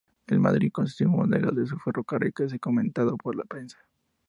En Madrid construye un modelo de su ferrocarril que es comentado por la prensa.